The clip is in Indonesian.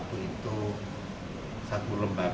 kita ambil bentuk kabel yang diambil dari kabupaten sleman